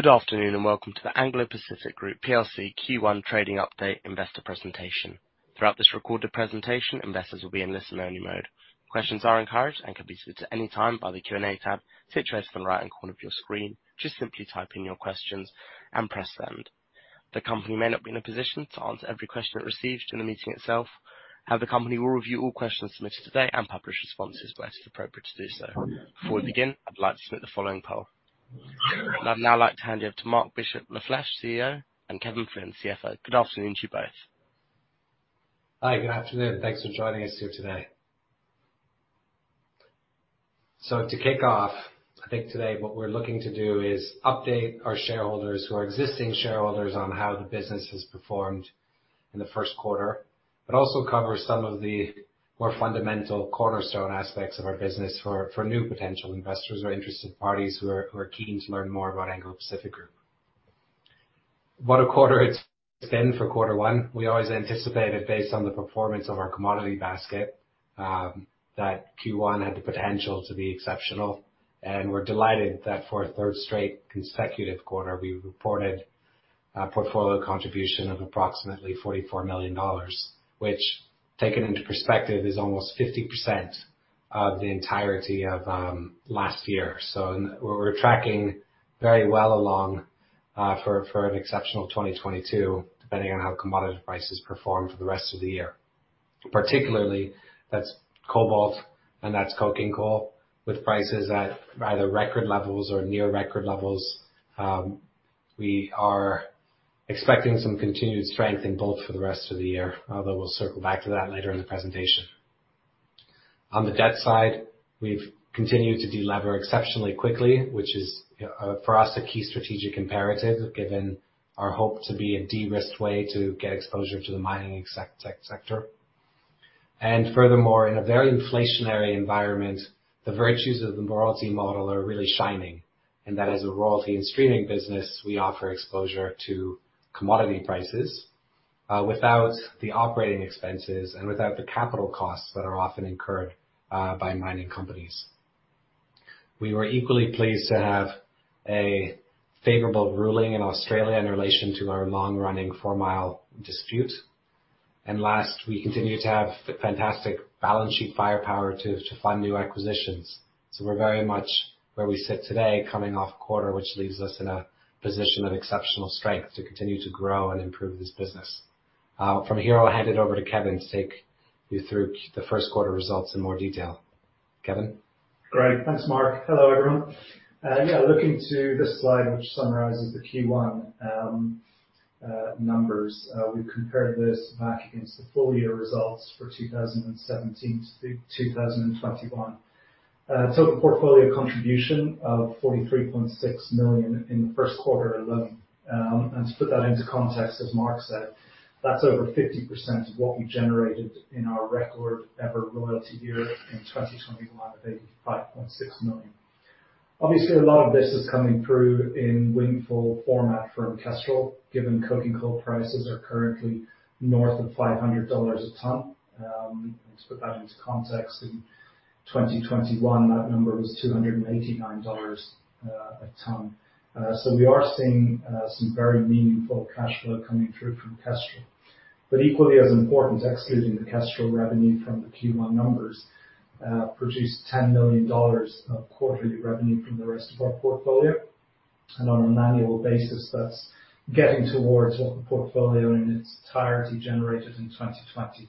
Good afternoon and welcome to the Ecora Royalties PLC Q1 trading update investor presentation. Throughout this recorded presentation, investors will be in listen only mode. Questions are encouraged and can be submitted at any time by the Q&A tab situated on the right-hand corner of your screen. Just simply type in your questions and press send. The company may not be in a position to answer every question it receives during the meeting itself, however, the company will review all questions submitted today and publish responses where it is appropriate to do so. Before we begin, I'd like to submit the following poll. I'd now like to hand you over to Marc Bishop Lafleche, CEO, and Kevin Flynn, CFO. Good afternoon to you both. Hi, good afternoon. Thanks for joining us here today. To kick off, I think today what we're looking to do is update our shareholders who are existing shareholders on how the business has performed in the first quarter, but also cover some of the more fundamental cornerstone aspects of our business for new potential investors or interested parties who are keen to learn more about Anglo Pacific Group. What a quarter it's been for quarter one. We always anticipated based on the performance of our commodity basket that Q1 had the potential to be exceptional, and we're delighted that for a third straight consecutive quarter, we reported a portfolio contribution of approximately $44 million, which taken into perspective is almost 50% of the entirety of last year. We're tracking very well along for an exceptional 2022, depending on how commodity prices perform for the rest of the year. Particularly, that's cobalt and that's coking coal with prices at either record levels or near record levels. We are expecting some continued strength in both for the rest of the year, but we'll circle back to that later in the presentation. On the debt side, we've continued to delever exceptionally quickly, which is for us a key strategic imperative, given our hope to be a de-risked way to get exposure to the mining sector. Furthermore, in a very inflationary environment, the virtues of the royalty model are really shining. That as a royalty and streaming business, we offer exposure to commodity prices without the operating expenses and without the capital costs that are often incurred by mining companies. We were equally pleased to have a favorable ruling in Australia in relation to our long-running Four Mile dispute. Last, we continue to have the fantastic balance sheet firepower to fund new acquisitions. We're very much where we sit today coming off quarter, which leaves us in a position of exceptional strength to continue to grow and improve this business. From here, I'll hand it over to Kevin to take you through the first quarter results in more detail. Kevin? Great. Thanks, Marc. Hello, everyone. Looking to this slide, which summarizes the Q1 numbers, we compared this back against the full year results for 2017-2021. Total portfolio contribution of $43.6 million in the first quarter alone. To put that into context, as Marc said, that's over 50% of what we generated in our record ever royalty year in 2021 of $85.6 million. Obviously, a lot of this is coming through in windfall format from Kestrel. Given coking coal prices are currently north of $500 a ton. To put that into context, in 2021, that number was $289 a ton. We are seeing some very meaningful cash flow coming through from Kestrel. Equally as important, excluding the Kestrel revenue from the Q1 numbers, produced $10 million of quarterly revenue from the rest of our portfolio. On an annual basis, that's getting towards what the portfolio in its entirety generated in 2020.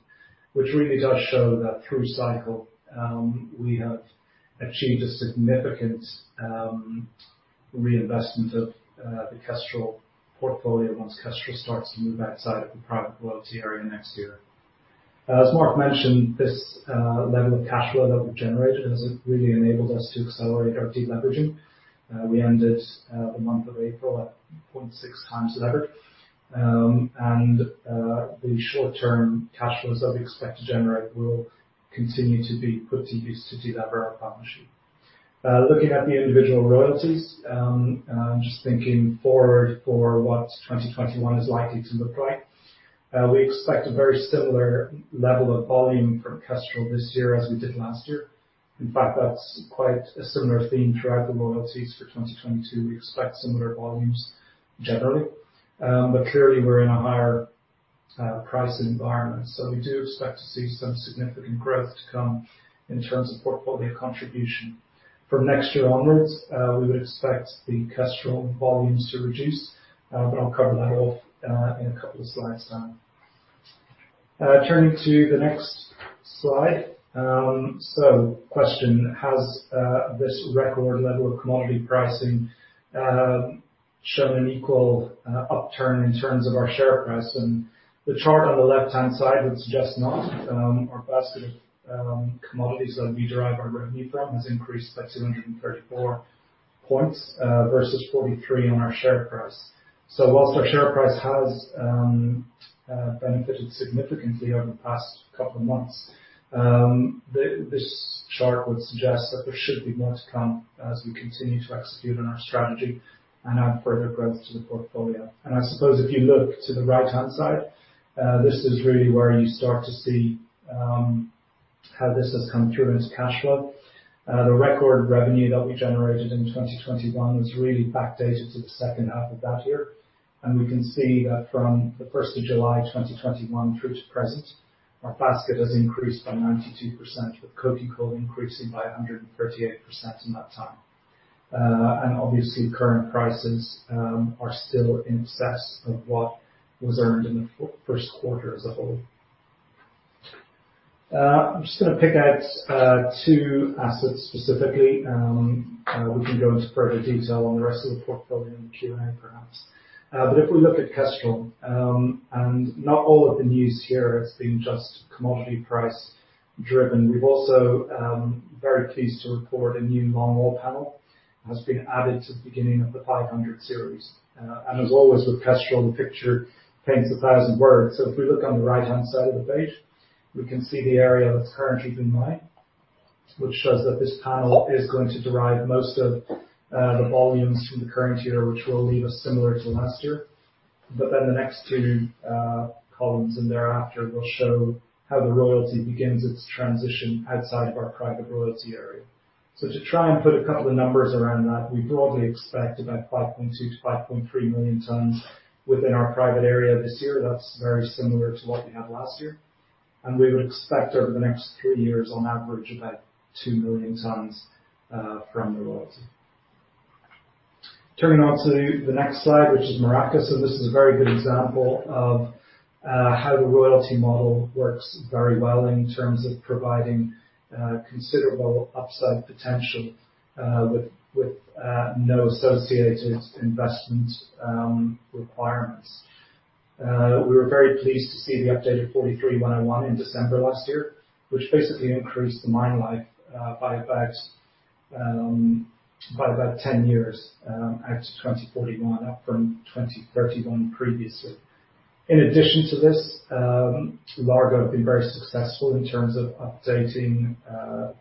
Which really does show that through cycle, we have achieved a significant reinvestment of the Kestrel portfolio once Kestrel starts to move outside of the private royalty area next year. As Marc mentioned, this level of cash flow that we've generated has really enabled us to accelerate our deleveraging. We ended the month of April at 0.6x levered. The short-term cash flows that we expect to generate will continue to be put to use to delever our balance sheet. Looking at the individual royalties, and just thinking forward for what 2021 is likely to look like, we expect a very similar level of volume from Kestrel this year as we did last year. In fact, that's quite a similar theme throughout the royalties for 2022. We expect similar volumes generally, but clearly we're in a higher price environment, so we do expect to see some significant growth to come in terms of portfolio contribution. From next year onwards, we would expect the Kestrel volumes to reduce, but I'll cover that off in a couple of slides time. Turning to the next slide. So question, has this record level of commodity pricing shown an equal upturn in terms of our share price? The chart on the left-hand side would suggest not. Our basket of commodities that we derive our revenue from has increased by 234 points versus 43 on our share price. While our share price has benefited significantly over the past couple of months, this chart would suggest that there should be more to come as we continue to execute on our strategy and add further growth to the portfolio. I suppose if you look to the right-hand side, this is really where you start to see how this has come through into cash flow. The record revenue that we generated in 2021 was really backdated to the second half of that year. We can see that from the first of July 2021 through to present, our basket has increased by 92%, with coking coal increasing by 138% in that time. Obviously, current prices are still in excess of what was earned in the first quarter as a whole. I'm just gonna pick out two assets specifically. We can go into further detail on the rest of the portfolio in the Q&A perhaps. If we look at Kestrel, and not all of the news here has been just commodity price driven. We've also very pleased to report a new longwall panel has been added to the beginning of the 500-series. As always, with Kestrel, the picture paints a thousand words. If we look on the right-hand side of the page, we can see the area that's currently been mined, which shows that this panel is going to derive most of the volumes from the current year, which will leave us similar to last year. Then the next two columns and thereafter will show how the royalty begins its transition outside of our private royalty area. To try and put a couple of numbers around that, we broadly expect about 5.2 million-5.3 million tonnes within our private area this year. That's very similar to what we had last year. We would expect over the next three years, on average, about 2 million tonnes from the royalty. Turning to the next slide, which is Maracás. This is a very good example of how the royalty model works very well in terms of providing considerable upside potential with no associated investment requirements. We were very pleased to see the updated 43-101 in December last year, which basically increased the mine life by about 10 years out to 2041, up from 2031 previously. In addition to this, Largo have been very successful in terms of updating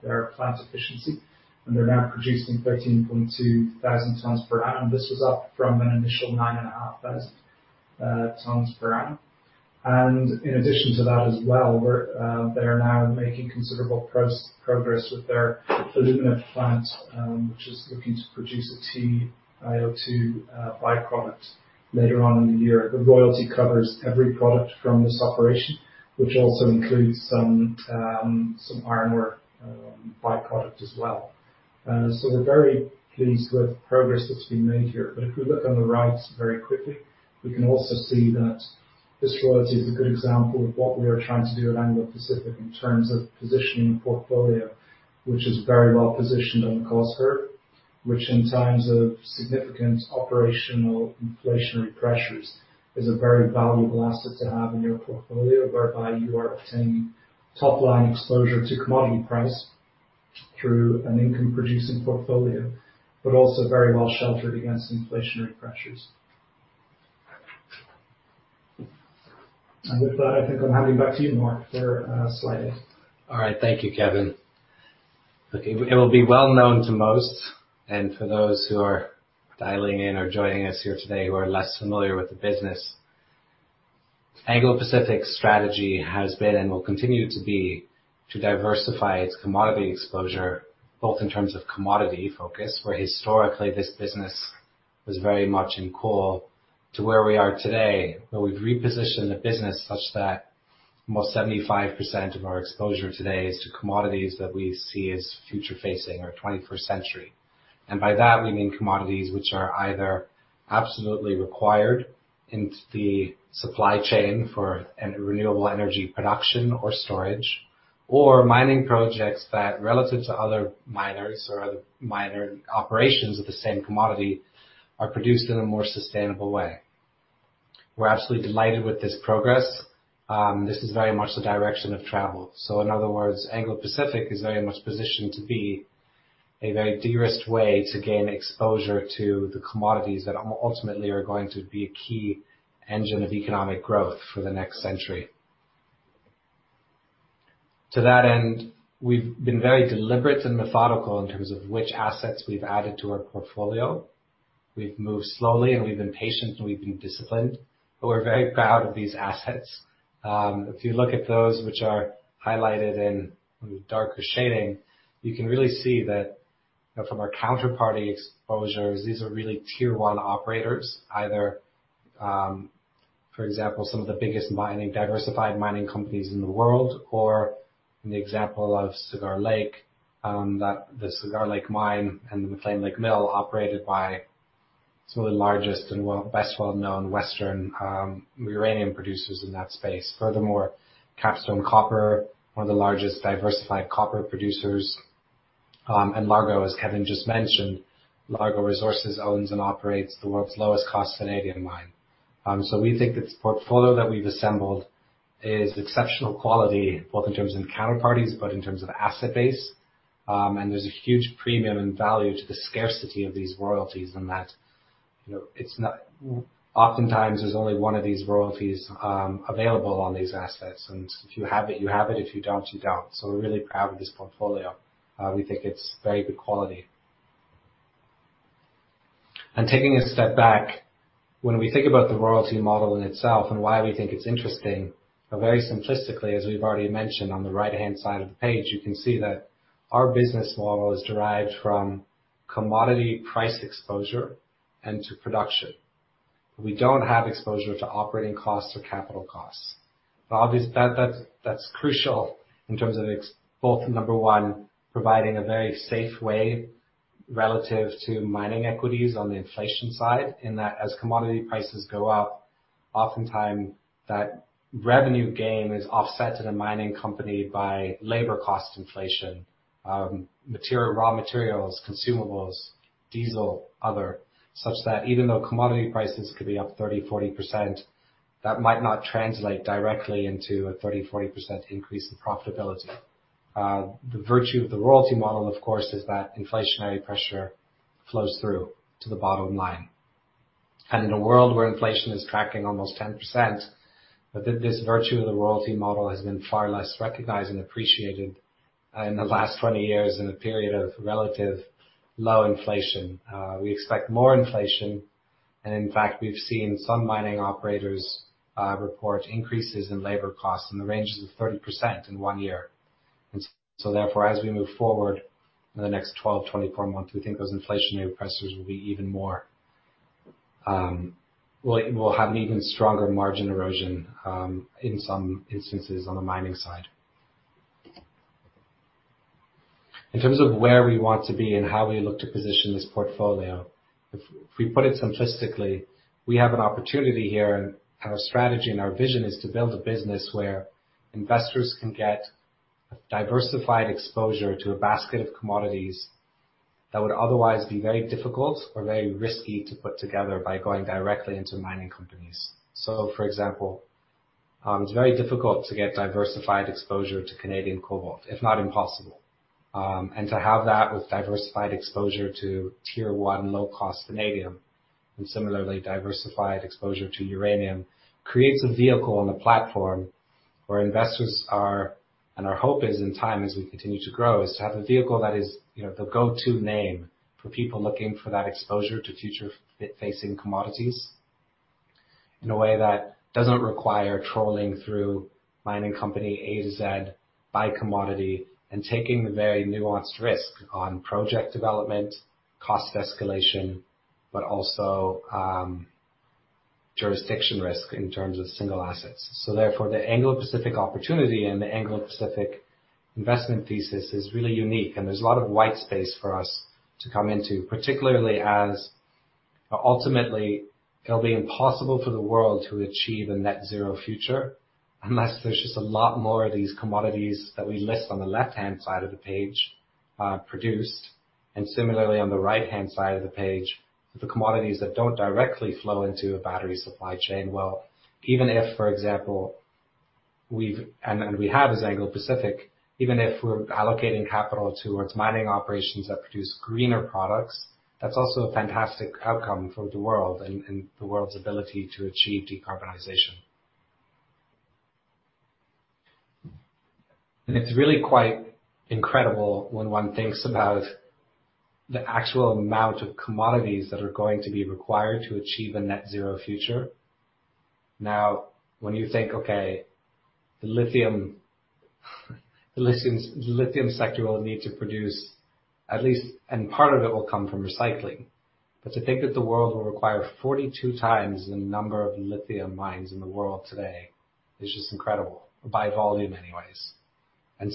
their plant efficiency, and they're now producing 13,200 tonnes per annum. This was up from an initial 9,500 tonnes per annum. In addition to that as well, they're now making considerable progress with their alumina plant, which is looking to produce a TIO2 by-product later on in the year. The royalty covers every product from this operation, which also includes some iron ore by-product as well. We're very pleased with progress that's been made here. If we look on the right very quickly, we can also see that this royalty is a good example of what we are trying to do at Anglo Pacific in terms of positioning a portfolio which is very well positioned on the cost curve. Which in times of significant operational inflationary pressures is a very valuable asset to have in your portfolio, whereby you are obtaining top-line exposure to commodity price through an income producing portfolio, but also very well sheltered against inflationary pressures. With that, I think I'm handing back to you, Marc, for sliding. All right. Thank you, Kevin. It will be well known to most, and for those who are dialing in or joining us here today who are less familiar with the business, Ecora Royalties' strategy has been and will continue to be, to diversify its commodity exposure, both in terms of commodity focus, where historically this business was very much in coal to where we are today, where we've repositioned the business such that almost 75% of our exposure today is to commodities that we see as future facing or twenty-first century. By that, we mean commodities which are either absolutely required in the supply chain for a renewable energy production or storage, or mining projects that relative to other miners or other miner operations with the same commodity, are produced in a more sustainable way. We're absolutely delighted with this progress. This is very much the direction of travel. In other words, Anglo Pacific is very much positioned to be a very diverse way to gain exposure to the commodities that ultimately are going to be a key engine of economic growth for the next century. To that end, we've been very deliberate and methodical in terms of which assets we've added to our portfolio. We've moved slowly and we've been patient and we've been disciplined, but we're very proud of these assets. If you look at those which are highlighted in the darker shading, you can really see that, you know, from our counterparty exposures, these are really tier one operators. For example, some of the biggest diversified mining companies in the world, or in the example of Cigar Lake, the Cigar Lake mine and the McClean Lake mill operated by some of the largest and best-known Western uranium producers in that space. Furthermore, Capstone Copper, one of the largest diversified copper producers, and Largo, as Kevin just mentioned, Largo Resources owns and operates the world's lowest cost vanadium mine. We think this portfolio that we've assembled is exceptional quality, both in terms of counterparties, but in terms of asset base. There's a huge premium and value to the scarcity of these royalties, and that, you know, it's not. Oftentimes there's only one of these royalties available on these assets, and if you have it, you have it, if you don't, you don't. We're really proud of this portfolio. We think it's very good quality. Taking a step back when we think about the royalty model in itself and why we think it's interesting, but very simplistically, as we've already mentioned on the right-hand side of the page, you can see that our business model is derived from commodity price exposure and to production. We don't have exposure to operating costs or capital costs. Obvious that that's crucial in terms of both number one, providing a very safe way relative to mining equities on the inflation side in that as commodity prices go up, oftentimes that revenue gain is offset to the mining company by labor cost inflation, material, raw materials, consumables, diesel, other, such that even though commodity prices could be up 30%-40%, that might not translate directly into a 30%-40% increase in profitability. The virtue of the royalty model, of course, is that inflationary pressure flows through to the bottom line. In a world where inflation is tracking almost 10%, but this virtue of the royalty model has been far less recognized and appreciated in the last 20 years in a period of relatively low inflation. We expect more inflation, and in fact, we've seen some mining operators report increases in labor costs in the ranges of 30% in one year. Therefore, as we move forward in the next 12, 24 months, we think those inflationary pressures will be even more, like we'll have an even stronger margin erosion, in some instances on the mining side. In terms of where we want to be and how we look to position this portfolio, if we put it simplistically, we have an opportunity here and our strategy and our vision is to build a business where investors can get a diversified exposure to a basket of commodities that would otherwise be very difficult or very risky to put together by going directly into mining companies. For example, it's very difficult to get diversified exposure to Canadian cobalt, if not impossible. To have that with diversified exposure to tier one low-cost vanadium and similarly diversified exposure to uranium creates a vehicle and a platform where investors are, and our hope is in time as we continue to grow, is to have a vehicle that is, you know, the go-to name for people looking for that exposure to future-facing commodities in a way that doesn't require trolling through mining company A-Z by commodity and taking the very nuanced risk on project development, cost escalation, but also jurisdiction risk in terms of single assets. Therefore, the Anglo Pacific opportunity and the Anglo Pacific investment thesis is really unique, and there's a lot of white space for us to come into, particularly as ultimately it'll be impossible for the world to achieve a net zero future unless there's just a lot more of these commodities that we list on the left-hand side of the page, produced. Similarly on the right-hand side of the page, the commodities that don't directly flow into a battery supply chain. Well, even if, for example, we have as Anglo Pacific, even if we're allocating capital towards mining operations that produce greener products, that's also a fantastic outcome for the world and the world's ability to achieve decarbonization. It's really quite incredible when one thinks about the actual amount of commodities that are going to be required to achieve a net zero future. Now, when you think, okay, the lithium sector will need to produce at least and part of it will come from recycling. To think that the world will require 42x the number of lithium mines in the world today is just incredible by volume anyways.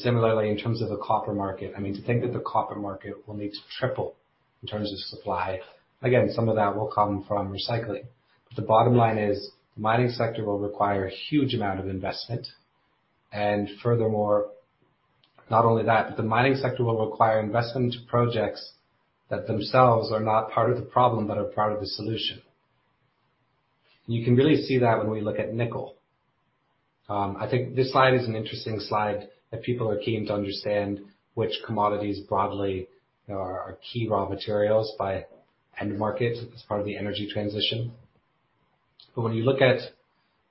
Similarly, in terms of the copper market, I mean, to think that the copper market will need to triple in terms of supply. Again, some of that will come from recycling. The bottom line is the mining sector will require a huge amount of investment. Furthermore, not only that, but the mining sector will require investment to projects that themselves are not part of the problem, but are part of the solution. You can really see that when we look at nickel. I think this slide is an interesting slide that people are keen to understand which commodities broadly are key raw materials by end market as part of the energy transition. When you look at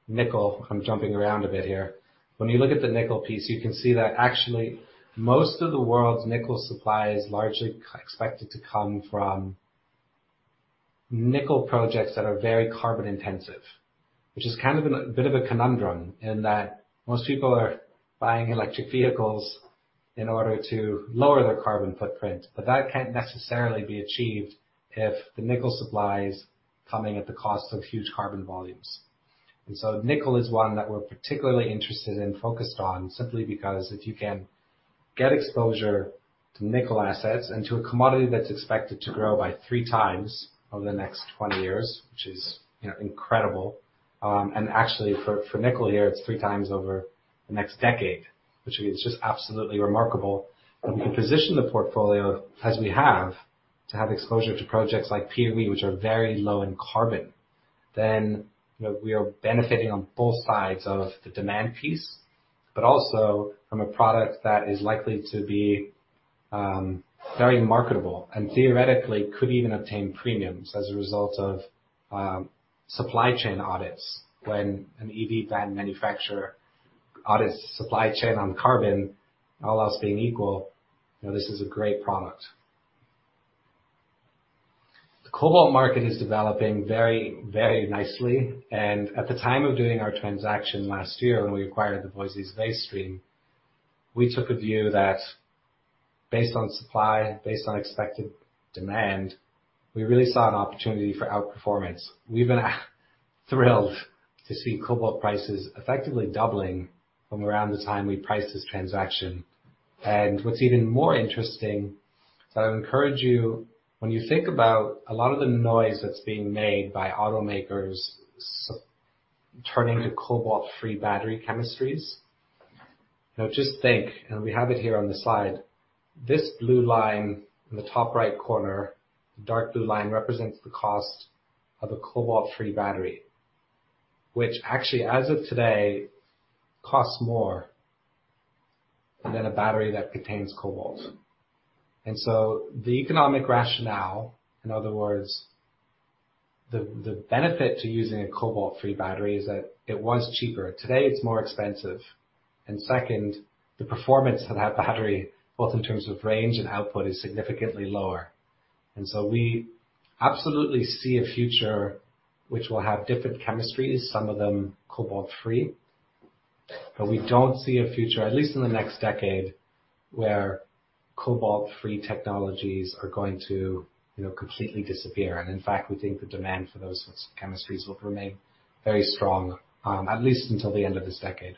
nickel, I'm jumping around a bit here. When you look at the nickel piece, you can see that actually most of the world's nickel supply is largely expected to come from nickel projects that are very carbon intensive. Which is kind of a bit of a conundrum in that most people are buying electric vehicles in order to lower their carbon footprint. That can't necessarily be achieved if the nickel supply is coming at the cost of huge carbon volumes. nickel is one that we're particularly interested and focused on simply because if you can get exposure to nickel assets and to a commodity that's expected to grow by three times over the next 20 years, which is, you know, incredible. Actually for nickel here, it's three times over the next decade, which is just absolutely remarkable. If we can position the portfolio as we have to have exposure to projects like Piauí Nickel, which are very low in carbon, then, you know, we are benefiting on both sides of the demand piece, but also from a product that is likely to be very marketable and theoretically could even obtain premiums as a result of supply chain audits when an EV manufacturer audits supply chain on carbon, all else being equal, you know, this is a great product. The cobalt market is developing very, very nicely, and at the time of doing our transaction last year when we acquired the Voisey's Bay stream, we took a view that based on supply, based on expected demand, we really saw an opportunity for outperformance. We've been thrilled to see cobalt prices effectively doubling from around the time we priced this transaction. What's even more interesting, so I would encourage you, when you think about a lot of the noise that's being made by automakers turning to cobalt free battery chemistries, you know, just think, and we have it here on the slide, this blue line in the top right corner, the dark blue line represents the cost of a cobalt free battery, which actually, as of today, costs more than a battery that contains cobalt. The economic rationale, in other words, the benefit to using a cobalt free battery is that it was cheaper. Today, it's more expensive. Second, the performance of that battery, both in terms of range and output, is significantly lower. We absolutely see a future which will have different chemistries, some of them cobalt free. We don't see a future, at least in the next decade, where cobalt free technologies are going to, you know, completely disappear. In fact, we think the demand for those chemistries will remain very strong, at least until the end of this decade.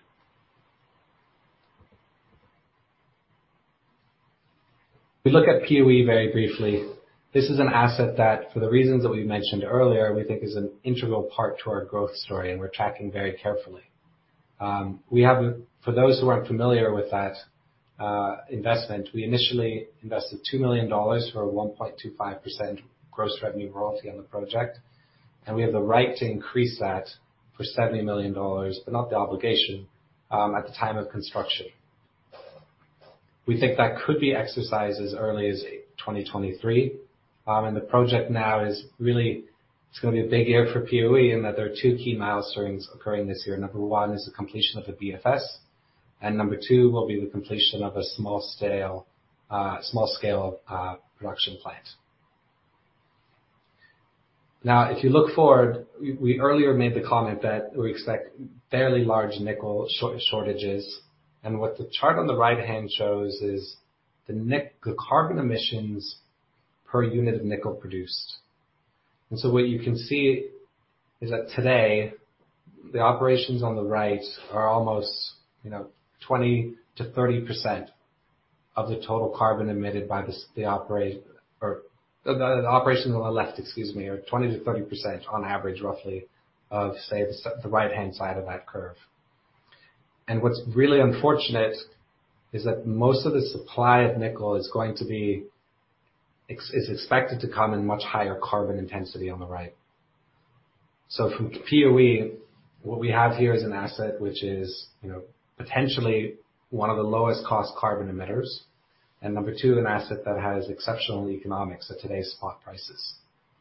We look at LFP very briefly. This is an asset that, for the reasons that we mentioned earlier, we think is an integral part to our growth story and we're tracking very carefully. For those who aren't familiar with that investment, we initially invested $2 million for a 1.25% gross revenue royalty on the project, and we have the right to increase that for $70 million, but not the obligation, at the time of construction. We think that could be exercised as early as 2023, and the project now is really, it's gonna be a big year for Piauí in that there are two key milestones occurring this year. Number one is the completion of a BFS, and number two will be the completion of a small scale production plant. Now, if you look forward, we earlier made the comment that we expect fairly large nickel shortages, and what the chart on the right-hand shows is the carbon emissions per unit of nickel produced. What you can see is that today, the operations on the right are almost, you know, 20%-30% of the total carbon emitted by the operations on the left. Excuse me, the operations on the left are 20%-30% on average, roughly, of, say, the right-hand side of that curve. What's really unfortunate is that most of the supply of nickel is expected to come in much higher carbon intensity on the right. From POE, what we have here is an asset which is, you know, potentially one of the lowest cost carbon emitters, and number two, an asset that has exceptional economics at today's spot prices.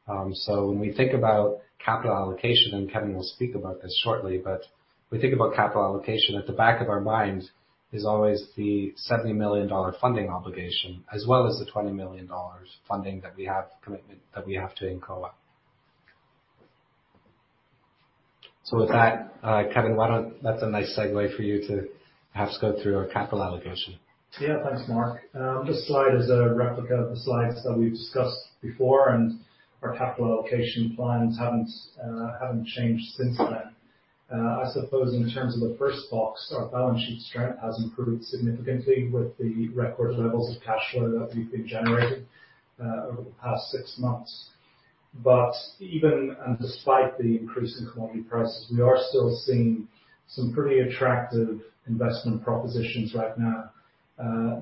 When we think about capital allocation, and Kevin will speak about this shortly, but we think about capital allocation at the back of our mind is always the $70 million funding obligation, as well as the $20 million funding commitment that we have to Incoa. With that, Kevin, that's a nice segue for you to perhaps go through our capital allocation. Yeah. Thanks, Marc. This slide is a replica of the slides that we've discussed before, and our capital allocation plans haven't changed since then. I suppose in terms of the first box, our balance sheet strength has improved significantly with the record levels of cash flow that we've been generating over the past six months. Even, and despite the increase in commodity prices, we are still seeing some pretty attractive investment propositions right now,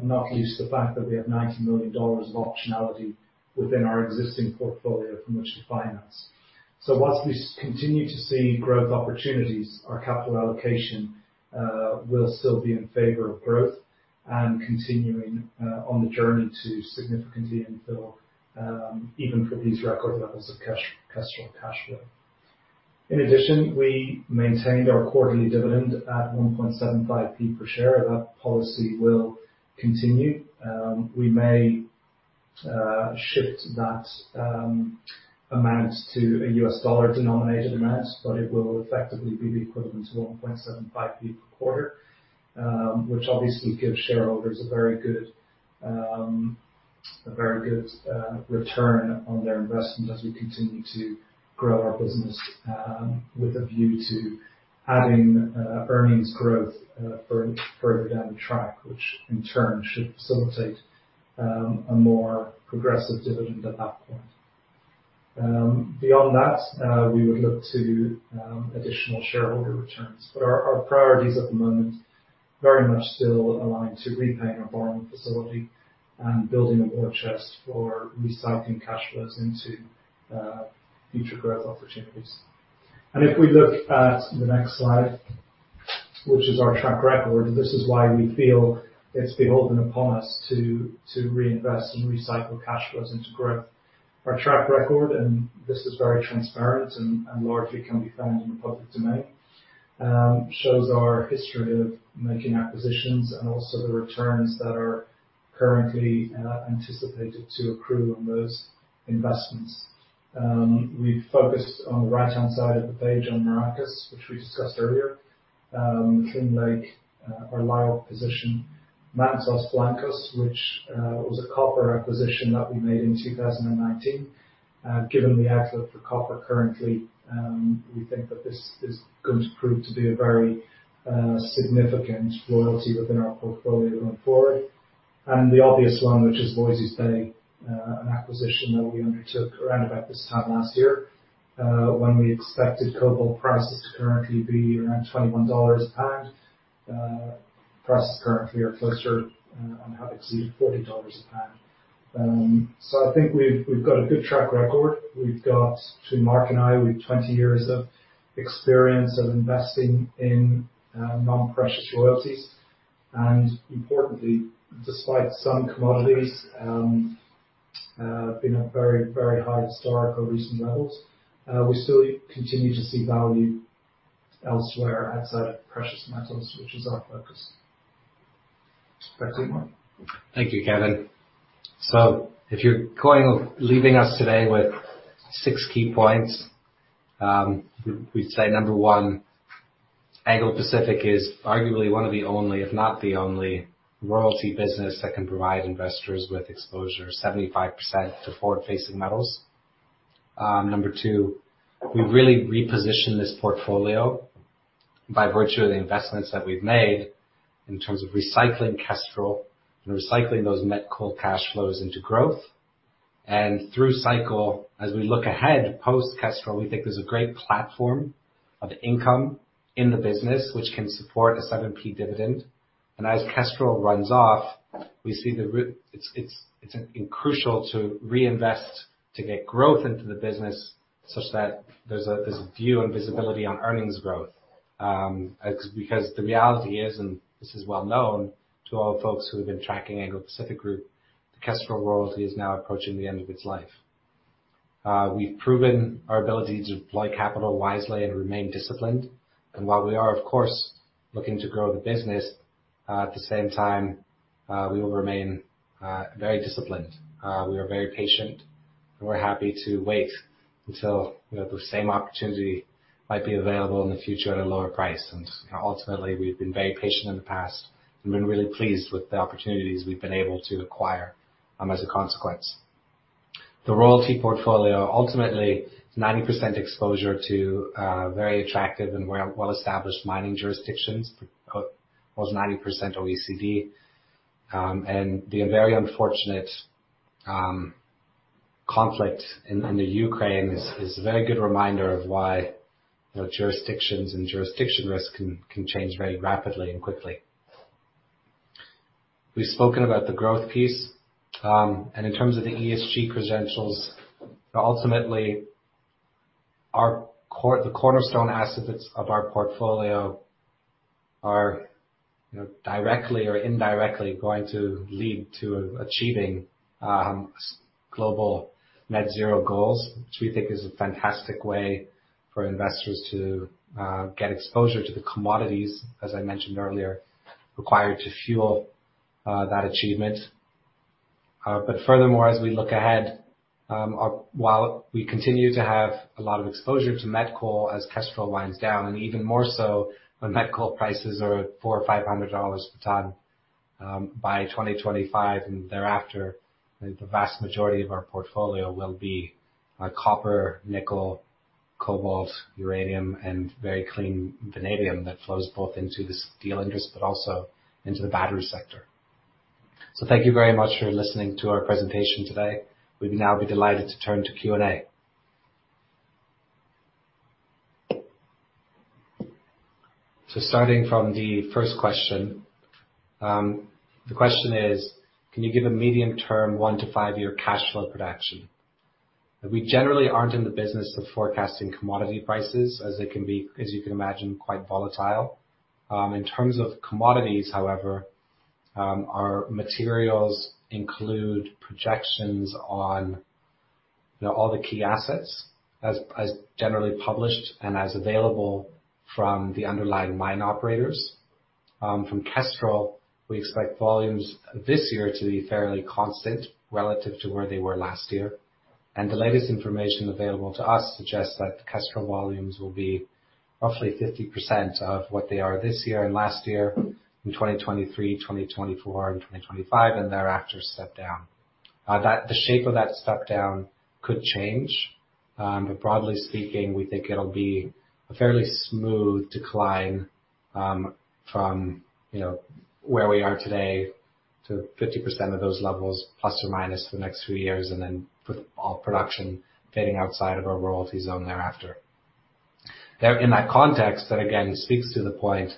not least the fact that we have $90 million of optionality within our existing portfolio from which to finance. Whilst we continue to see growth opportunities, our capital allocation will still be in favor of growth and continuing on the journey to significantly infill even for these record levels of cash flow. In addition, we maintained our quarterly dividend at 1.75p per share. That policy will continue. We may shift that amount to a U.S. dollar denominated amount, but it will effectively be the equivalent to 1.75p per quarter, which obviously gives shareholders a very good return on their investment as we continue to grow our business, with a view to adding earnings growth further down the track, which in turn should facilitate a more progressive dividend at that point. Beyond that, we would look to additional shareholder returns, but our priorities at the moment very much still align to repaying our borrowing facility and building a war chest for recycling cash flows into future growth opportunities. If we look at the next slide, which is our track record, this is why we feel it's beholden upon us to reinvest and recycle cash flows into growth. Our track record, and this is very transparent and largely can be found in the public domain, shows our history of making acquisitions and also the returns that are currently anticipated to accrue on those investments. We've focused on the right-hand side of the page on Maracas, which we discussed earlier. McClean Lake, our LIORC position. Mantos Blancos, which was a copper acquisition that we made in 2019. Given the outlook for copper currently, we think that this is going to prove to be a very significant royalty within our portfolio going forward. The obvious one, which is Voisey's Bay, an acquisition that we undertook around about this time last year, when we expected cobalt prices to currently be around $21 a pound. Prices currently are closer on having exceeded $40 a pound. So I think we've got a good track record. We've got between Marc and I, we've 20 years of experience of investing in non-precious royalties. Importantly, despite some commodities being at very, very high historical recent levels, we still continue to see value elsewhere outside of precious metals, which is our focus. Back to you, Marc. Thank you, Kevin. If you're leaving us today with six key points, we'd say number one, Anglo Pacific is arguably one of the only, if not the only, royalty business that can provide investors with exposure 75% to forward-facing metals. Number two, we really reposition this portfolio by virtue of the investments that we've made in terms of recycling Kestrel and recycling those met coal cash flows into growth. Through cycle, as we look ahead post-Kestrel, we think there's a great platform of income in the business which can support a 7p dividend. As Kestrel runs off, we see it's crucial to reinvest to get growth into the business such that there's view and visibility on earnings growth. Because the reality is, and this is well known to all folks who have been tracking Anglo Pacific Group, the Kestrel royalty is now approaching the end of its life. We've proven our ability to deploy capital wisely and remain disciplined. While we are, of course, looking to grow the business, at the same time, we will remain very disciplined. We are very patient, and we're happy to wait until, you know, the same opportunity might be available in the future at a lower price. Ultimately, we've been very patient in the past and been really pleased with the opportunities we've been able to acquire, as a consequence. The royalty portfolio ultimately 90% exposure to very attractive and well-established mining jurisdictions. Almost 90% OECD. The very unfortunate conflict in the Ukraine is a very good reminder of why, you know, jurisdictions and jurisdiction risk can change very rapidly and quickly. We've spoken about the growth piece. In terms of the ESG credentials, ultimately the cornerstone assets of our portfolio are, you know, directly or indirectly going to lead to achieving global net zero goals, which we think is a fantastic way for investors to get exposure to the commodities, as I mentioned earlier, required to fuel that achievement. Furthermore, as we look ahead, while we continue to have a lot of exposure to met coal as Kestrel winds down, and even more so when met coal prices are at $400 or $500 a ton, by 2025 and thereafter, the vast majority of our portfolio will be, copper, nickel, cobalt, uranium, and very clean vanadium that flows both into the steel industry, but also into the battery sector. Thank you very much for listening to our presentation today. We'd now be delighted to turn to Q&A. Starting from the first question, the question is: Can you give a medium-term 1- to five-year cash flow production? We generally aren't in the business of forecasting commodity prices as they can be, as you can imagine, quite volatile. In terms of commodities, however, our materials include projections on, you know, all the key assets as generally published and as available from the underlying mine operators. From Kestrel, we expect volumes this year to be fairly constant relative to where they were last year. The latest information available to us suggests that the Kestrel volumes will be roughly 50% of what they are this year and last year, in 2023, 2024, and 2025, and thereafter step down. The shape of that step down could change, but broadly speaking, we think it'll be a fairly smooth decline, from, you know, where we are today to 50% of those levels, plus or minus for the next few years, and then with all production fading outside of our royalty zone thereafter. There, in that context, that again speaks to the point,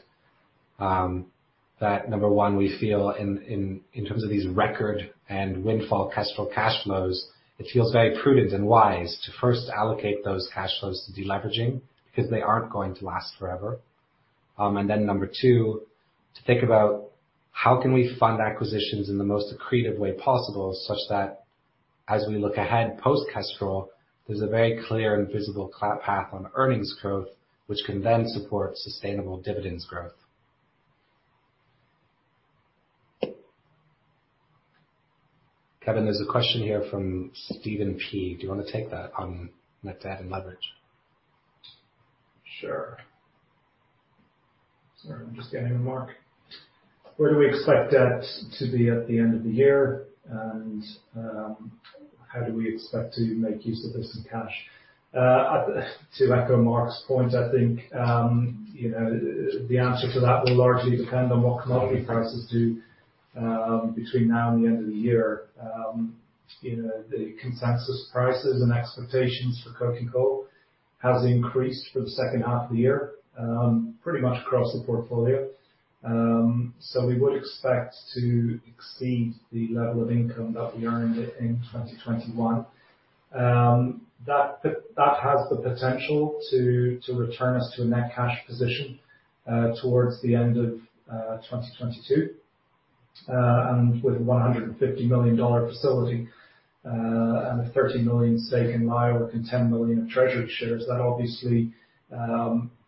that number one, we feel in terms of these record and windfall Kestrel cash flows, it feels very prudent and wise to first allocate those cash flows to deleveraging because they aren't going to last forever. Number two, to think about how can we fund acquisitions in the most accretive way possible, such that as we look ahead post Kestrel, there's a very clear and visible path on earnings growth, which can then support sustainable dividends growth. Kevin, there's a question here from Steven P. Do you wanna take that on net debt and leverage? Sure. Sorry, I'm just getting the mic. Where do we expect debt to be at the end of the year and, how do we expect to make use of the cash? To echo Marc's point, I think, you know, the answer to that will largely depend on what commodity prices do, between now and the end of the year. You know, the consensus prices and expectations for coking coal has increased for the second half of the year, pretty much across the portfolio. We would expect to exceed the level of income that we earned in 2021. That has the potential to return us to a net cash position, towards the end of 2022. With $150 million facility, and a $30 million stake in LIORC and $10 million of treasury shares, that obviously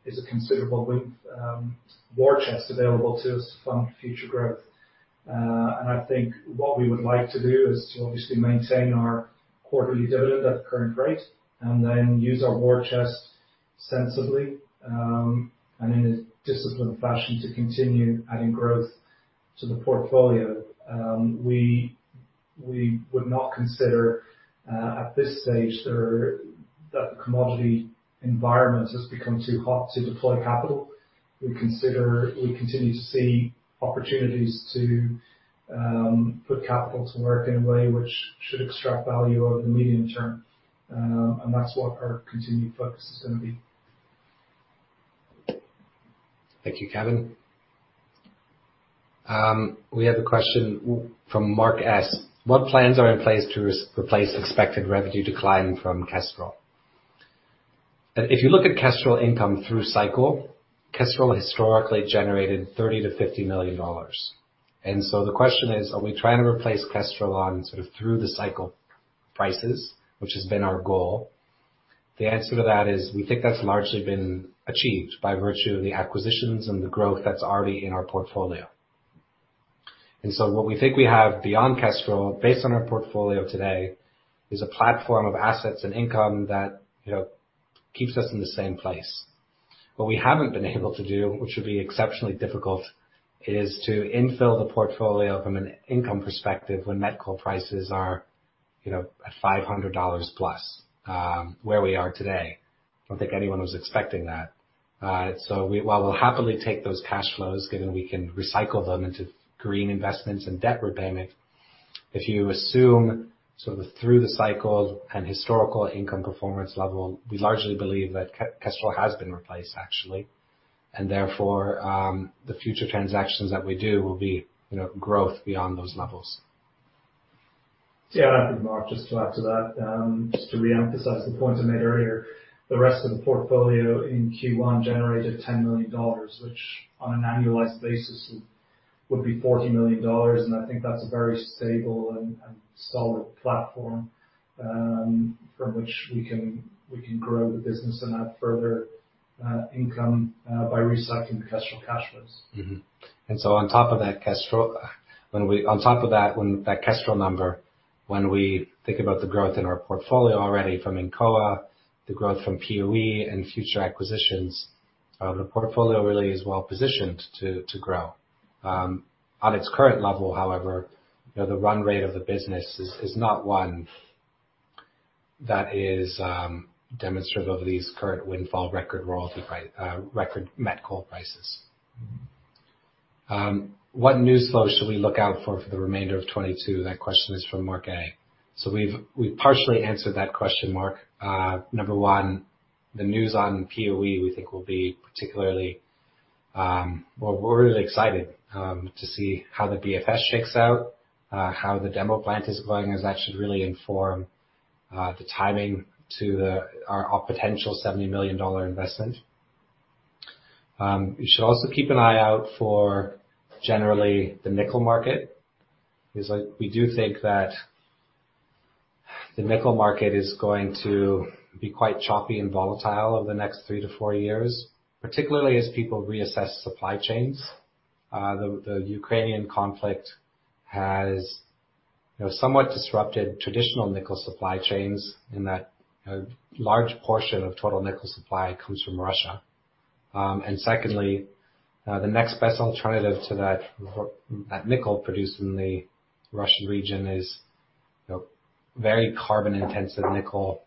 is a considerable war chest available to us to fund future growth. I think what we would like to do is to obviously maintain our quarterly dividend at the current rate and then use our war chest sensibly, and in a disciplined fashion to continue adding growth to the portfolio. We would not consider at this stage that the commodity environment has become too hot to deploy capital. We continue to see opportunities to put capital to work in a way which should extract value over the medium term, and that's what our continued focus is gonna be. Thank you, Kevin. We have a question from Mark S. What plans are in place to replace expected revenue decline from Kestrel? If you look at Kestrel income through cycle, Kestrel historically generated $30 million-$50 million. The question is, are we trying to replace Kestrel on sort of through the cycle prices, which has been our goal? The answer to that is we think that's largely been achieved by virtue of the acquisitions and the growth that's already in our portfolio. What we think we have beyond Kestrel, based on our portfolio today, is a platform of assets and income that, you know, keeps us in the same place. What we haven't been able to do, which would be exceptionally difficult, is to infill the portfolio from an income perspective when met coal prices are, you know, at $500+, where we are today. I don't think anyone was expecting that. While we'll happily take those cash flows, given we can recycle them into green investments and debt repayment, if you assume sort of through the cycle and historical income performance level, we largely believe that Kestrel has been replaced actually, and therefore, the future transactions that we do will be, you know, growth beyond those levels. Yeah, I think Marc, just to add to that, just to reemphasize the point I made earlier, the rest of the portfolio in Q1 generated $10 million, which on an annualized basis would be $40 million. I think that's a very stable and solid platform from which we can grow the business and add further income by recycling the Kestrel cash flows. Mm-hmm. On top of that Kestrel, on top of that, when that Kestrel number, when we think about the growth in our portfolio already from Incoa, the growth from POE and future acquisitions, the portfolio really is well positioned to grow. At its current level, however, you know, the run rate of the business is not one that is demonstrative of these current windfall record met coal prices. What news flow should we look out for the remainder of 2022? That question is from Mark A. We've partially answered that question, Mark. Number one, the news on POE, we think will be particularly. Well, we're really excited to see how the BFS shakes out, how the demo plant is going, as that should really inform the timing to our potential $70 million investment. You should also keep an eye out for generally the nickel market, because, like, we do think that the nickel market is going to be quite choppy and volatile over the next three to four years, particularly as people reassess supply chains. The Ukrainian conflict has, you know, somewhat disrupted traditional nickel supply chains in that a large portion of total nickel supply comes from Russia. Secondly, the next best alternative to that nickel produced in the Russian region is, you know, very carbon intensive nickel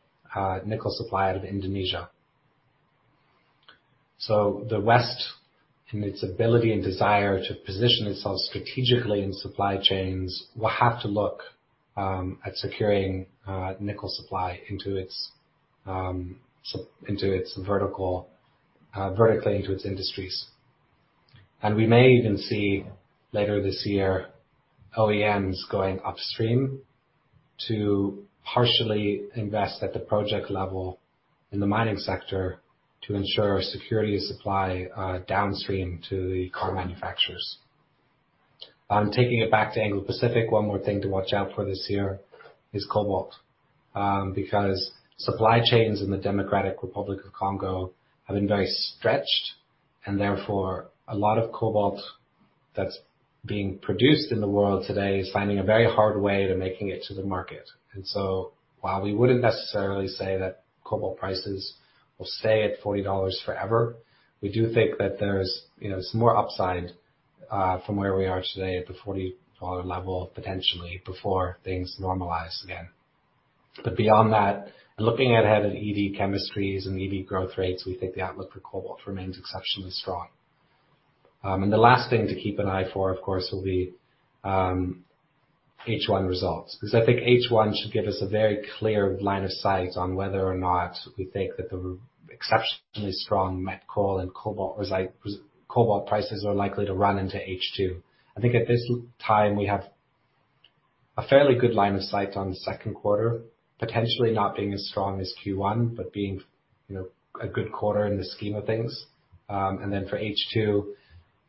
supply out of Indonesia. The West, in its ability and desire to position itself strategically in supply chains, will have to look at securing nickel supply into its vertical vertically into its industries. We may even see later this year OEMs going upstream to partially invest at the project level in the mining sector to ensure security of supply downstream to the car manufacturers. Taking it back to Anglo Pacific, one more thing to watch out for this year is cobalt, because supply chains in the Democratic Republic of Congo have been very stretched, and therefore a lot of cobalt that's being produced in the world today is finding a very hard way to making it to the market. While we wouldn't necessarily say that cobalt prices will stay at $40 forever, we do think that there's, you know, some more upside from where we are today at the $40 level, potentially before things normalize again. Beyond that, looking ahead at EV chemistries and EV growth rates, we think the outlook for cobalt remains exceptionally strong. The last thing to keep an eye for, of course, will be H1 results. 'Because I think H1 should give us a very clear line of sight on whether or not we think that the exceptionally strong met coal and cobalt prices are likely to run into H2. I think at this time, we have a fairly good line of sight on the second quarter, potentially not being as strong as Q1, but being, you know, a good quarter in the scheme of things. Then for H2,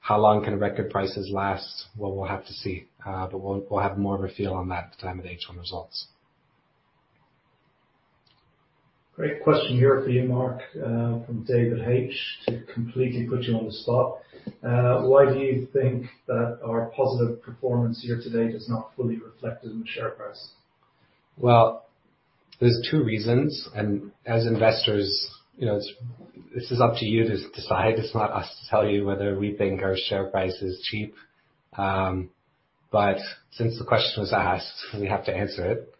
how long can record prices last? Well, we'll have to see. We'll have more of a feel on that at the time of the H1 results. Great question here for you, Marc, from David H, to completely put you on the spot. Why do you think that our positive performance here today is not fully reflected in the share price? Well, there's two reasons. As investors, you know, it's this is up to you to decide. It's not us to tell you whether we think our share price is cheap. Since the question was asked, we have to answer it.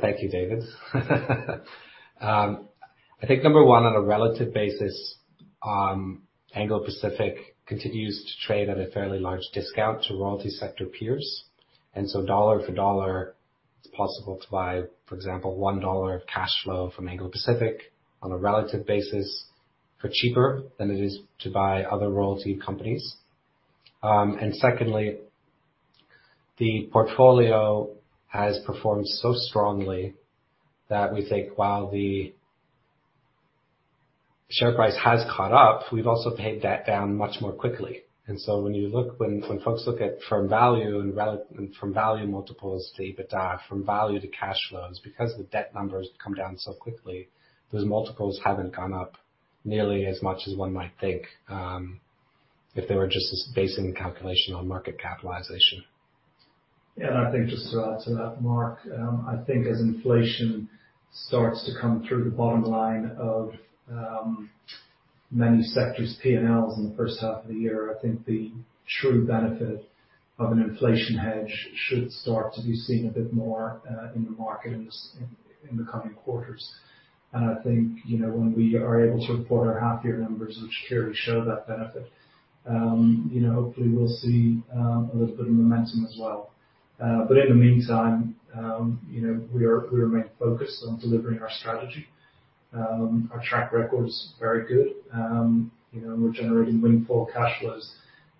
Thank you, David H. I think number one, on a relative basis, Anglo Pacific continues to trade at a fairly large discount to royalty sector peers. Dollar for dollar, it's possible to buy, for example, one dollar of cash flow from Anglo Pacific on a relative basis for cheaper than it is to buy other royalty companies. Secondly, the portfolio has performed so strongly that we think while the share price has caught up, we've also paid debt down much more quickly. When folks look at EV multiples to EBITDA, from EV to cash flows, because the debt numbers come down so quickly, those multiples haven't gone up nearly as much as one might think if they were just basing the calculation on market capitalization. I think just to add to that, Marc, I think as inflation starts to come through the bottom line of many sectors' P&Ls in the first half of the year, I think the true benefit of an inflation hedge should start to be seen a bit more in the market in the coming quarters. I think, you know, when we are able to report our half-year numbers, which clearly show that benefit, you know, hopefully we'll see a little bit of momentum as well. But in the meantime, you know, we remain focused on delivering our strategy. Our track record is very good. You know, we're generating meaningful cash flows.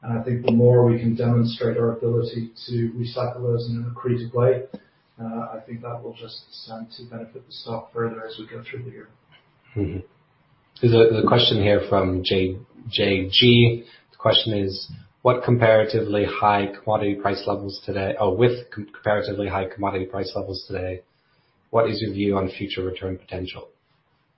I think the more we can demonstrate our ability to recycle those in an accretive way, I think that will just seem to benefit the stock further as we go through the year. There's a question here from Jay, JG. The question is, with comparatively high commodity price levels today, what is your view on future return potential?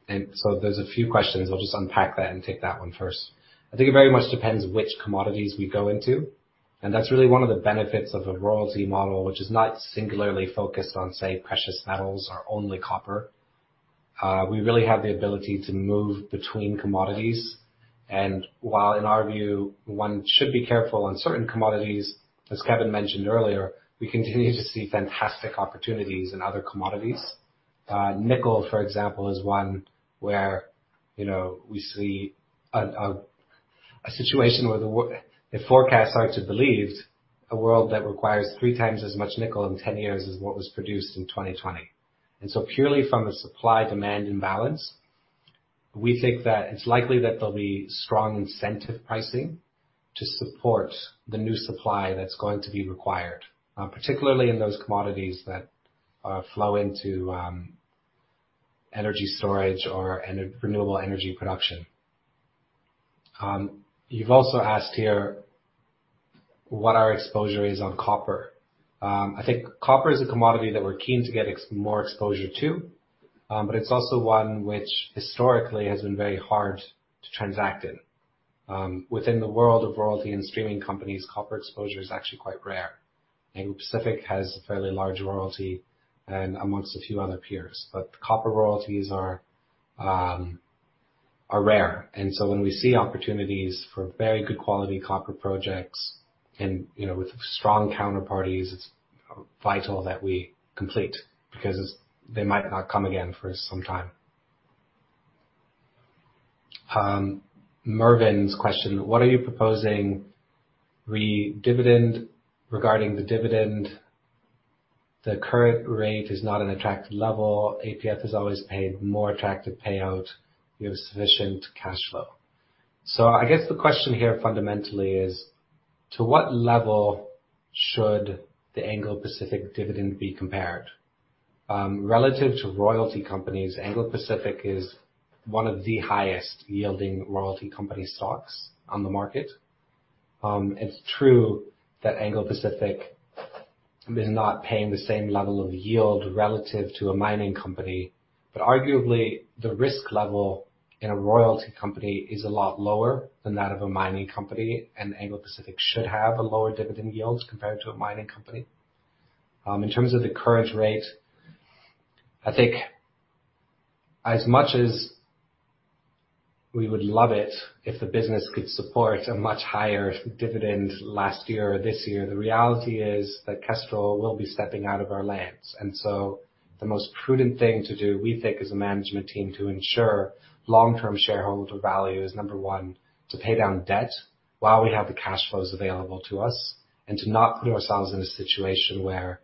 There's a few questions. I'll just unpack that and take that one first. I think it very much depends which commodities we go into, and that's really one of the benefits of a royalty model which is not singularly focused on, say, precious metals or only copper. We really have the ability to move between commodities. While in our view, one should be careful on certain commodities, as Kevin mentioned earlier, we continue to see fantastic opportunities in other commodities. Nickel, for example, is one where, you know, we see a situation where if forecasts are to be believed, a world that requires three times as much nickel in 10 years as what was produced in 2020. Purely from a supply-demand imbalance, we think that it's likely that there'll be strong incentive pricing to support the new supply that's going to be required, particularly in those commodities that flow into energy storage or renewable energy production. You've also asked here what our exposure is on copper. I think copper is a commodity that we're keen to get more exposure to, but it's also one which historically has been very hard to transact in. Within the world of royalty and streaming companies, copper exposure is actually quite rare. Anglo Pacific has a fairly large royalty and amongst a few other peers. Copper royalties are rare. When we see opportunities for very good quality copper projects and, you know, with strong counterparties, it's vital that we complete because it's, they might not come again for some time. Mervin's question: What are you proposing regarding the dividend? The current rate is not an attractive level. APF has always paid more attractive payout. We have sufficient cash flow. I guess the question here fundamentally is, to what level should the Anglo Pacific dividend be compared? Relative to royalty companies, Anglo Pacific is one of the highest yielding royalty company stocks on the market. It's true that Anglo Pacific is not paying the same level of yield relative to a mining company, but arguably, the risk level in a royalty company is a lot lower than that of a mining company, and Anglo Pacific should have a lower dividend yield compared to a mining company. In terms of the current rate, I think as much as we would love it if the business could support a much higher dividend last year or this year, the reality is that Kestrel will be stepping out of our lands. The most prudent thing to do, we think, as a management team to ensure long-term shareholder value is, number one, to pay down debt while we have the cash flows available to us, and to not put ourselves in a situation where,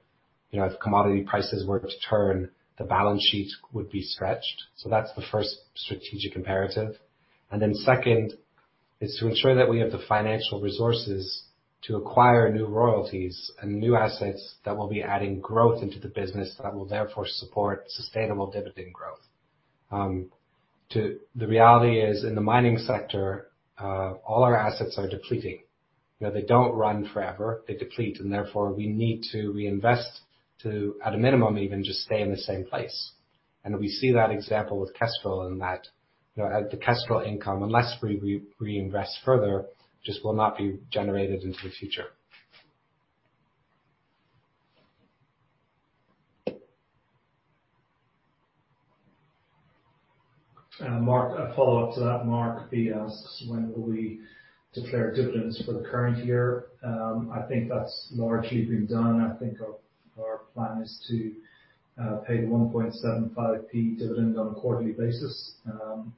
you know, if commodity prices were to turn, the balance sheet would be stretched. So that's the first strategic imperative. Second is to ensure that we have the financial resources to acquire new royalties and new assets that will be adding growth into the business that will therefore support sustainable dividend growth. The reality is, in the mining sector, all our assets are depleting. You know, they don't run forever, they deplete, and therefore we need to reinvest to, at a minimum, even just stay in the same place. We see that example with Kestrel in that, you know, the Kestrel income, unless we reinvest further, just will not be generated into the future. Marc, a follow-up to that, Mark B asks, when will we declare dividends for the current year? I think that's largely been done. I think our plan is to pay 1.75p dividend on a quarterly basis,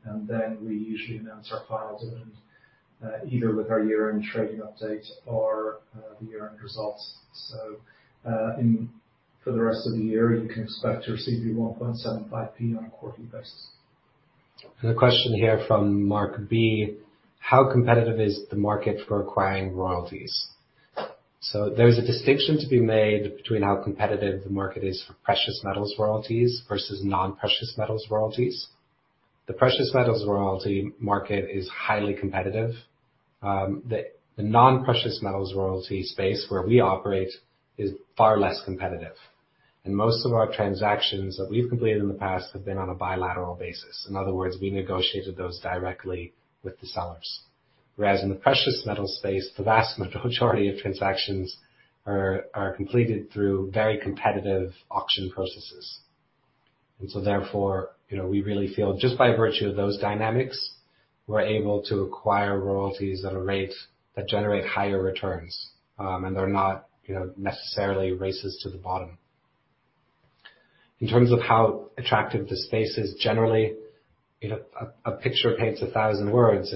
and then we usually announce our final dividend, either with our year-end trading update or the year-end results. For the rest of the year, you can expect to receive your 1.75p on a quarterly basis. A question here from Mark B, how competitive is the market for acquiring royalties? There's a distinction to be made between how competitive the market is for precious metals royalties versus non-precious metals royalties. The precious metals royalty market is highly competitive. The non-precious metals royalty space where we operate is far less competitive, and most of our transactions that we've completed in the past have been on a bilateral basis. In other words, we negotiated those directly with the sellers. Whereas in the precious metal space, the vast majority of transactions are completed through very competitive auction processes. Therefore, you know, we really feel just by virtue of those dynamics, we're able to acquire royalties at a rate that generate higher returns, and they're not, you know, necessarily races to the bottom. In terms of how attractive the space is generally, you know, a picture paints 1,000 words,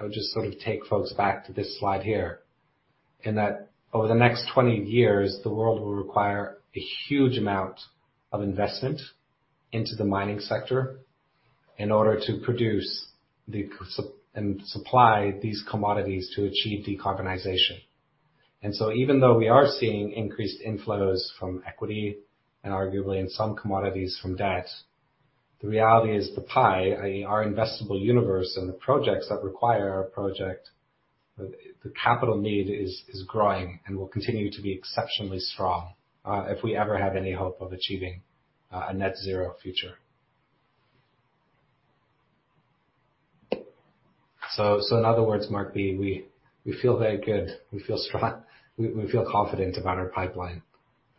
and I would just sort of take folks back to this slide here, in that over the next 20 years, the world will require a huge amount of investment into the mining sector in order to produce and supply these commodities to achieve decarbonization. Even though we are seeing increased inflows from equity and arguably in some commodities from debt, the reality is the pie, i.e., our investable universe and the projects that require our capital, the capital need is growing and will continue to be exceptionally strong, if we ever have any hope of achieving a net zero future. In other words, Mark, we feel very good. We feel strong. We feel confident about our pipeline,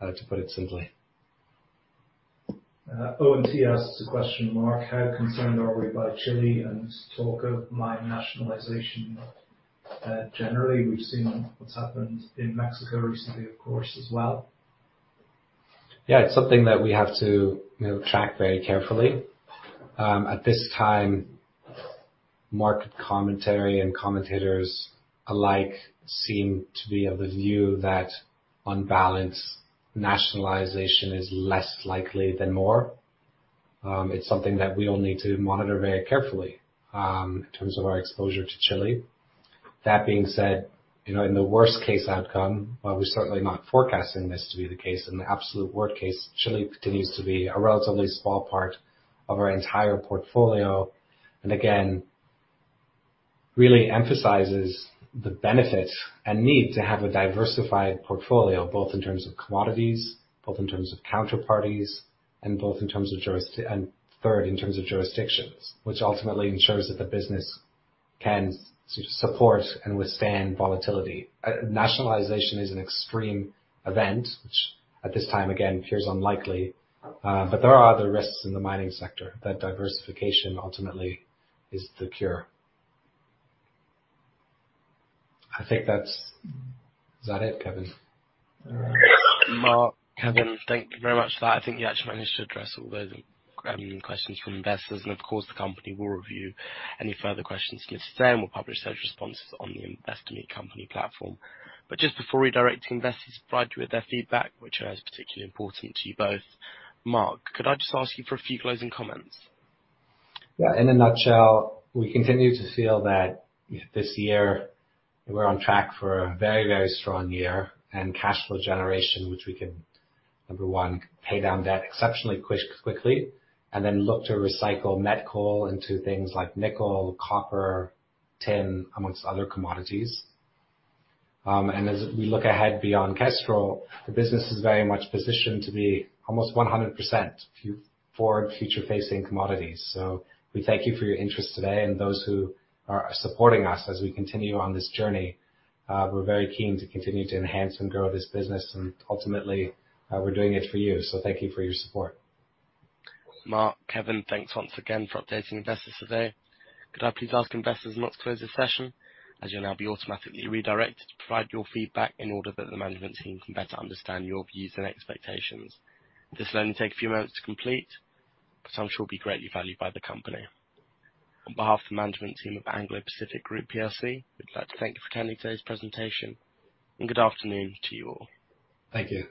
to put it simply. ONT asks a question, Marc, how concerned are we by Chile and talk of mine nationalization? Generally, we've seen what's happened in Mexico recently, of course, as well. Yeah, it's something that we have to, you know, track very carefully. At this time, market commentary and commentators alike seem to be of the view that on balance, nationalization is less likely than more. It's something that we all need to monitor very carefully, in terms of our exposure to Chile. That being said, you know, in the worst case outcome, while we're certainly not forecasting this to be the case, in the absolute worst case, Chile continues to be a relatively small part of our entire portfolio. Again, really emphasizes the benefit and need to have a diversified portfolio, both in terms of commodities, both in terms of counterparties, and third, in terms of jurisdictions, which ultimately ensures that the business can support and withstand volatility. Nationalization is an extreme event which at this time, again, appears unlikely, but there are other risks in the mining sector that diversification ultimately is the cure. I think that's it, Kevin? All right. Marc, Kevin, thank you very much for that. I think you actually managed to address all those questions from investors. Of course, the company will review any further questions listed and will publish those responses on the Investing.com platform. But just before we direct investors to provide you with their feedback, which is particularly important to you both, Marc, could I just ask you for a few closing comments? Yeah. In a nutshell, we continue to feel that this year we're on track for a very, very strong year and cash flow generation, which we can, number one, pay down debt exceptionally quick, quickly, and then look to recycle met coal into things like nickel, copper, tin, among other commodities. And as we look ahead beyond Kestrel, the business is very much positioned to be almost 100% forward future facing commodities. We thank you for your interest today and those who are supporting us as we continue on this journey. We're very keen to continue to enhance and grow this business and ultimately, we're doing it for you. Thank you for your support. Marc, Kevin, thanks once again for updating investors today. Could I please ask investors not to close this session, as you'll now be automatically redirected to provide your feedback in order that the management team can better understand your views and expectations? This will only take a few moments to complete, but I'm sure it'll be greatly valued by the company. On behalf of the management team of Ecora Royalties PLC, we'd like to thank you for attending today's presentation, and good afternoon to you all. Thank you.